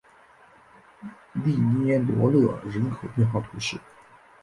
利涅罗勒人口变化图示